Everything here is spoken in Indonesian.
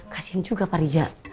kasian juga pak rija